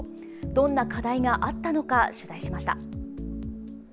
どんな課題があったのか取材しました。